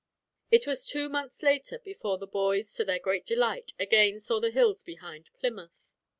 It was two months later before the boys, to their great delight, again saw the hills behind Plymouth.